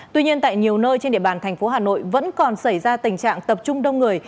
tuy nhiên tại nhiều nơi trên địa bàn thành phố hà nội vẫn còn xảy ra tình trạng tập trung đông người